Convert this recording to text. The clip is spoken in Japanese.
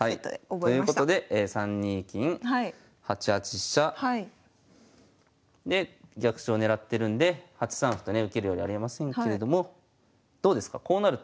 ということで３二金８八飛車。で逆襲を狙ってるんで８三歩とね受けるよりありませんけれどもどうですかこうなると。